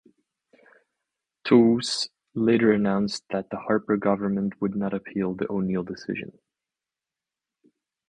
Toews later announced that the Harper government would not appeal the O'Neill decision.